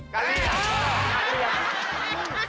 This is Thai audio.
กะเลี่ย